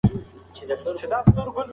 سپوږمۍ د ده احوال محبوب ته وړي.